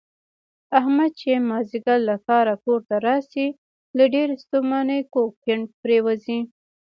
احمد چې مازدیګر له کاره کورته راشي، له ډېرې ستومانۍ کوږ کیڼ پرېوځي.